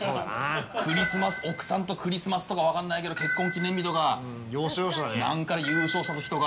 奥さんとクリスマスとか分からないけど結婚記念日とか何か優勝した時とか。